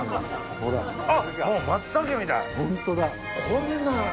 こんな。